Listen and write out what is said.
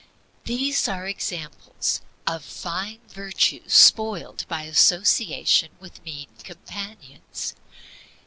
These are examples of fine virtues spoiled by association with mean companions.